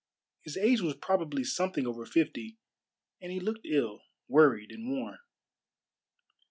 His age was probably something over fifty, and he looked ill, worried, and worn.